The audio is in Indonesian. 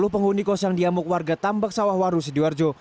dua puluh penghuni kos yang diamuk warga tambak sawah waru sidiwarjo